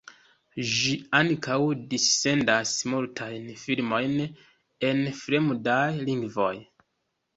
Ĝi ankaŭ dissendas multajn filmojn en fremdaj lingvoj.